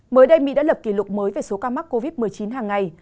mới đây mỹ đã lập kỷ lục mới về số ca mắc covid một mươi chín hàng ngày